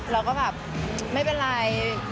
เราก็แบบไม่เป็นไร